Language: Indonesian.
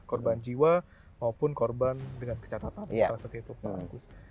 korban jiwa maupun korban dengan kecatatan seperti itu pak agus